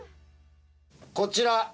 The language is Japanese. こちら。